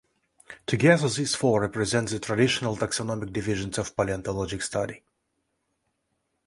Together these four represent the traditional taxonomic divisions of paleontologic study.